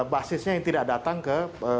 basisnya yang tidak datang ke